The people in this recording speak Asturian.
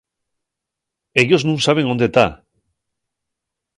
Ellos nun saben ónde ta.